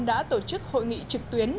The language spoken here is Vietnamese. đã tổ chức hội nghị trực tuyến